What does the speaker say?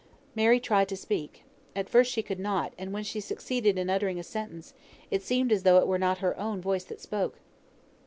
Mary tried to speak; at first she could not, and when she succeeded in uttering a sentence, it seemed as though it were not her own voice that spoke.